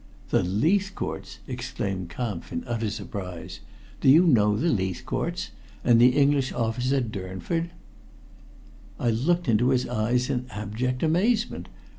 "The Leithcourts!" exclaimed Kampf in utter surprise. "Do you know the Leithcourts and the English officer Durnford?" I looked into his eyes in abject amazement.